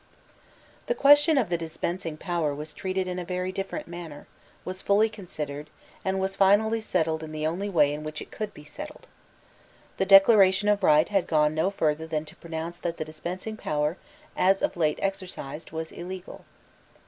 The question of the dispensing power was treated in a very different manner, was fully considered, and was finally settled in the only way in which it could be settled. The Declaration of Right had gone no further than to pronounce that the dispensing power, as of late exercised, was illegal.